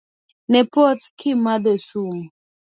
Ne poth ka gimadho sum.